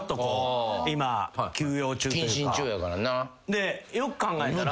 でよく考えたら。